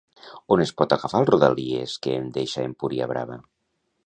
On es pot agafar el Rodalies que em deixa a Empuriabrava?